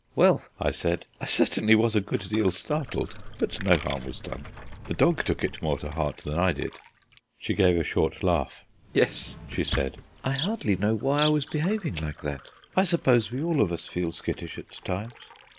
"Well," I said, "I certainly was a good deal startled, but no harm was done. The dog took it more to heart than I did." She gave a short laugh. "Yes," she said. "I hardly know why I was behaving like that. I suppose we all of us feel skittish at times."